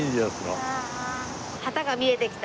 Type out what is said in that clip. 旗が見えてきた。